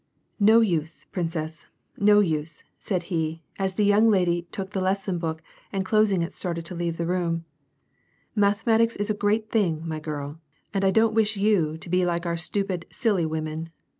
"No use, princess, no use," said he, as the young lady took the lesson book, and closing it started to leave the room :" mathematics is a great thing, my girl, and I don't wish you to be like our stupid, silly women.